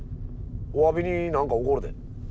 おわびに何かおごるで。